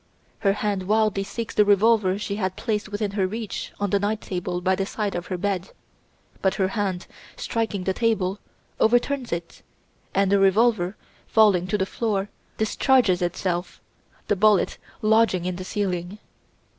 Her hand wildly seeks the revolver she had placed within her reach on the night table by the side of her bed, but her hand, striking the table, overturns it, and the revolver, falling to the floor, discharges itself, the bullet lodging in the ceiling.